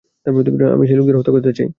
আমি সেই লোকদের হত্যা করতে চাই।